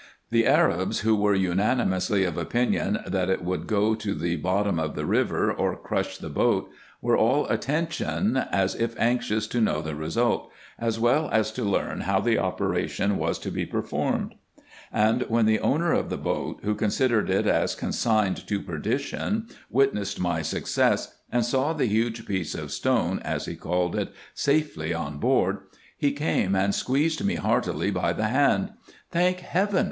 The Arabs, who were unanimously of opinion that it would go to the bottom of the river, or crush the boat, were all attention, as if anxious to know the result, as well as to learn how the operation was to be IN EGYPT, NUBIA, &c. 133 performed ; and when the owner of the boat, who considered it as consigned to perdition, witnessed my success, and saw the huge piece of stone, as he called it, safely on board, he came and squeezed me heartily by the hand. " Thank heaven